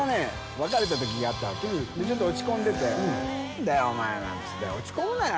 別れた時があったわけちょっと落ち込んでて「何だよお前落ち込むなよ」